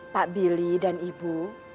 pak billy dan ibu